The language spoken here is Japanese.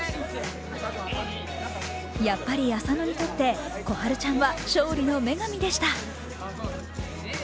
やっぱり浅野にとって心春ちゃんは勝利の女神でした。